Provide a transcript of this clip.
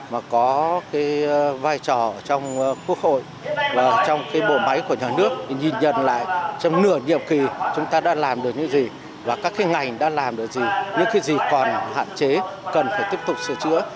và có cái vai trò trong quốc hội và trong cái bộ máy của nhà nước nhìn nhận lại trong nửa nhiệm kỳ chúng ta đã làm được những gì và các cái ngành đã làm được gì những cái gì còn hạn chế cần phải tiếp tục sửa chữa